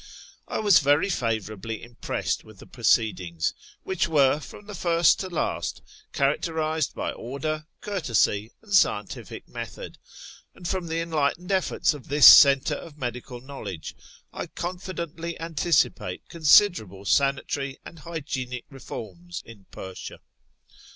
I was very favourably impressed with the proceedings, which were, from first to last, characterised by order, courtesy, and scientific method ; and from the enlightened efforts of this centre of medical knowledge I confidently anticipate consider able sanitary and hygienic reforms in Persia.